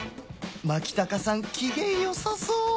牧高さん機嫌良さそう